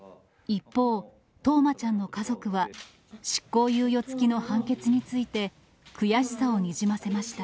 一方、冬生ちゃんの家族は、執行猶予付きの判決について、悔しさをにじませました。